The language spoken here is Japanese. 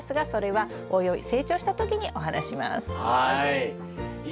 はい。